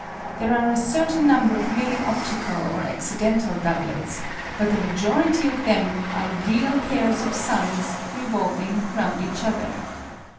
There are a certain number of merely optical or accidental doublets, but the majority of them are real pairs of suns revolving round each other.